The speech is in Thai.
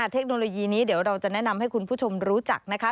เทคโนโลยีนี้เดี๋ยวเราจะแนะนำให้คุณผู้ชมรู้จักนะคะ